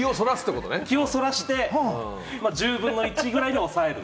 気をそらして、１０分の１ぐらいに抑える。